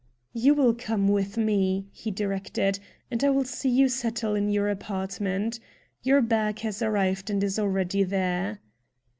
"You will come with me," he directed, "and I will see you settle in your apartment. Your bag has arrived and is already there."